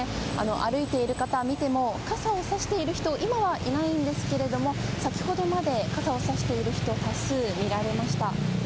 歩いている方を見ても傘をさしている人は今はいないんですけれども先ほどまで傘をさしている方多数見られました。